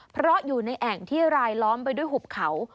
เพราะอยู่ในแอ่งที่รายล้อมไปด้วยหุบเขา